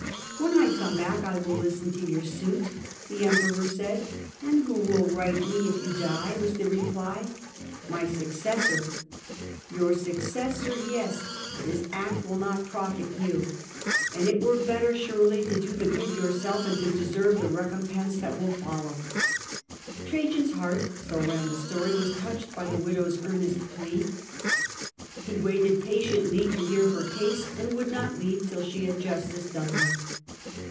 ' When I come back SSthenjus 1 will listen to your suit,' the Emperor said, tice in < yvho will right me if you die ?' was the art. reply. ' My successor.' ' Your successor ; yes, but his act will not profit you, and it were better 97 117 . 49 Trajau. surely to do the good yourself and to deserve the recom pense that will follow/ Trajan's heart, so ran the story, was touched by the widow's earnest plea ; he waited patiently to hear her case, and would not leave till she had justice done her.